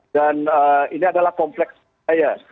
dan ini adalah kompleks saya